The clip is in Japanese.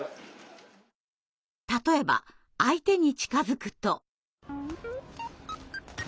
例えば相手に近づくと。